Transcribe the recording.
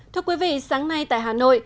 thưa quý vị sáng nay tại hà nội